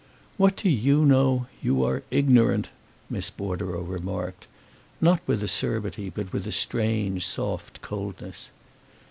"What do YOU know? You are ignorant," Miss Bordereau remarked; not with acerbity but with a strange, soft coldness.